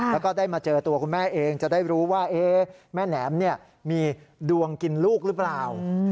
แล้วก็ได้มาเจอตัวคุณแม่เองจะได้รู้ว่าแม่แหนมมีดวงกินลูกหรือเปล่า